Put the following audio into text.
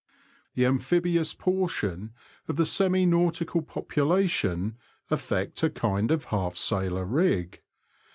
The amphibious portion of the semi nautical popu lation affect a kind of half sailor rig.